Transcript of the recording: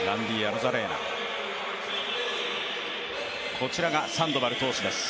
こちらがサンドバル投手です。